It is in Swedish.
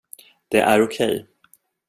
Det är okej.